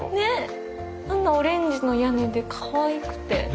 あんなオレンジの屋根でかわいくて。